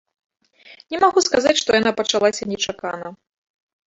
Не магу сказаць, што яна пачалася нечакана.